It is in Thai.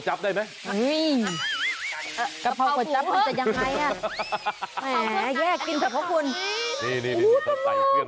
อ้าว